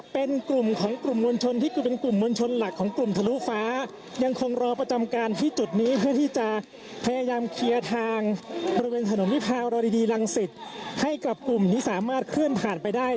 เป็นกลุ่มของกลุ่มมวลชนที่คือเป็นกลุ่มมวลชนหลักของกลุ่มทะลุฟ้ายังคงรอประจำการที่จุดนี้เพื่อที่จะพยายามเคลียร์ทางบริเวณถนนวิพาวรอดีรังสิตให้กับกลุ่มนี้สามารถเคลื่อนผ่านไปได้